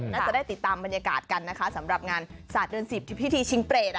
น่าจะได้ติดตามบรรยากาศกันนะคะสำหรับงานศาสตร์เดือน๑๐พิธีชิงเปรต